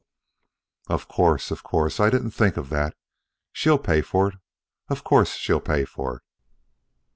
"Of course, of course I didn't think of that. She'll pay for it, of course she'll pay for it."